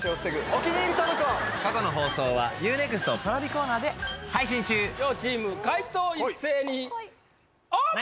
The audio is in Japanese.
お気に入り登録を過去の放送はＵ−ＮＥＸＴＰａｒａｖｉコーナーで配信中こい両チーム解答一斉にオープン！